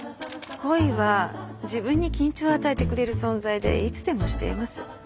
恋は自分に緊張を与えてくれる存在でいつでもしています。